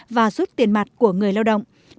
và rút tiền mạt của người lao động